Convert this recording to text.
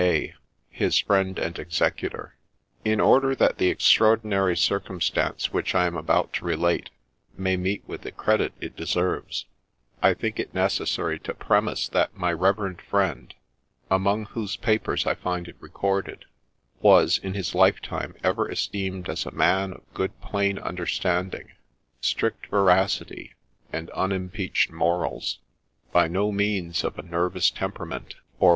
A., HIS FRIEND AND EXECUTOR IN order that the extraordinary circumstance which I am about to relate may meet with the credit it deserves, I think it necessary to premise that my reverend friend, among whose papers I find it recorded, was, in his lifetime, ever esteemed as a man of good plain understanding, strict veracity, and un impeached morals, — by no means of a nervous temperament, or THE LATE HENRY HARRIS, D.D.